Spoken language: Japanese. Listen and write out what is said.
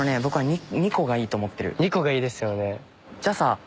２個がいいですよね。